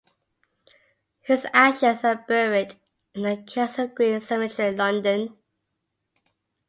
His ashes are buried in the Kensal Green Cemetery, London.